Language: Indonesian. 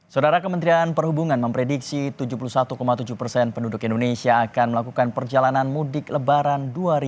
saudara kementerian perhubungan memprediksi tujuh puluh satu tujuh persen penduduk indonesia akan melakukan perjalanan mudik lebaran dua ribu dua puluh